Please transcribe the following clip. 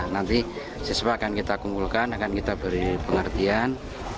nanti siswa akan kita kumpulkan akan kita beri pengertian